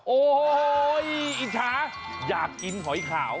โอ้โหอิจฉาอยากกินหอยขาว